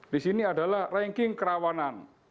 di sini adalah ranking kerawanan